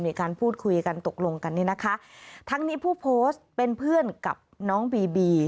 มีการพูดคุยกันตกลงกันนี่นะคะทั้งนี้ผู้โพสต์เป็นเพื่อนกับน้องบีบี